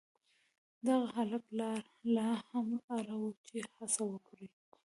دغه هلک لا هم اړ و چې هڅه وکړي.